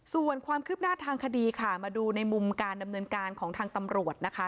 ส่วนความคืบหน้าทางคดีค่ะมาดูในมุมการดำเนินการของทางตำรวจนะคะ